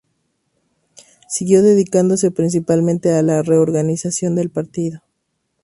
Siguió dedicándose principalmente a la reorganización del partido.